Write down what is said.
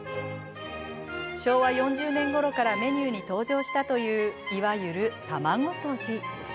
昭和４０年ごろからメニューに登場したといういわゆる卵とじ。